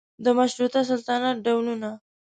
د مشروطه سلطنت ډولونه